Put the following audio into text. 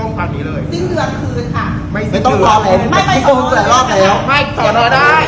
ไม่แล้วตอนนี้เอามาห้ามบอกว่าเกิดอะไร